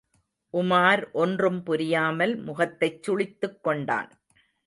உமார் ஒன்றும் புரியாமல் முகத்தைச் சுளித்துக்கொண்டான்.